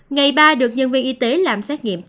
ngày ba được nhân viên y tế làm xét nghiệm